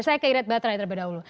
saya keirit baterai terlebih dahulu